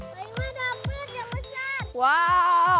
wah ini dapat yang besar